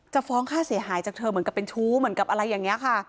ฟ้องค่าเสียหายจากเธอเหมือนกับเป็นชู้เหมือนกับอะไรอย่างนี้ค่ะ